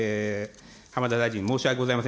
浜田大臣、申し訳ございません。